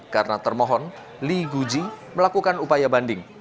karena termohon lee guji melakukan upaya banding